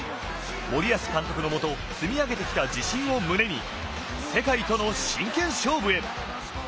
森保監督のもと積み上げてきた自信を胸に世界との真剣勝負へ！